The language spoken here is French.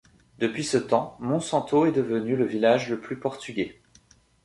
Depuis ce temps, Monsanto est devenue le village le plus portugais.